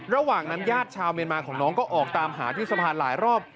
ระหว่างนั้นญาติชาวเมียนมาของน้องก็ออกตามหาที่สะพานหลายรอบ